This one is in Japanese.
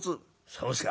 『そうですか。